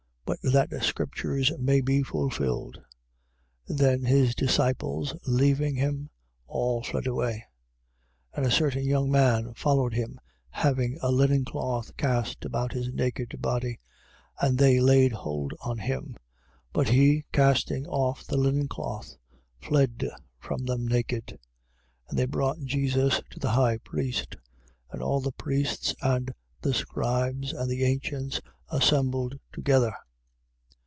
But that the scriptures may be fulfilled. 14:50. Then his disciples, leaving him, all fled away. 14:51. And a certain young man followed him, having a linen cloth cast about his naked body. And they laid hold on him. 14:52. But he, casting off the linen cloth, fled from them naked. 14:53. And they brought Jesus to the high priest. And all the priests and the scribes and the ancients assembled together.